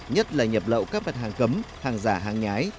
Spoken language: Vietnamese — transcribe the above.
nhất là nhập lậu các mặt hàng cấm hàng giả hàng nhái